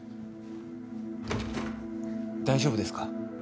大丈夫ですか？